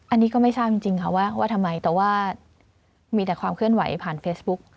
อันนี้ก็ไม่ทราบจริงค่ะว่าทำไมแต่ว่ามีแต่ความเคลื่อนไหวผ่านเฟซบุ๊ก